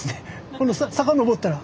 この坂上ったら。